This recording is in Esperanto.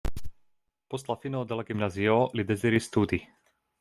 Post la fino de la gimnazio li deziris studi.